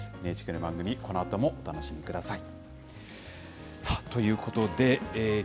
ＮＨＫの番組、このあともお楽しみください。